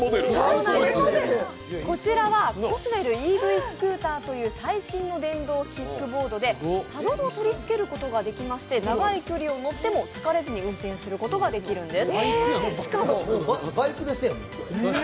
こちらはコスウェルＥＶスクーターという佐取を取りつけることがありまして、長い距離を乗っても疲れずに運転することができるんです。